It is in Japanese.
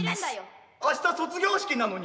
明日卒業式なのに？